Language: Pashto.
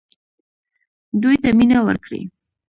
دوی ته مینه ورکړئ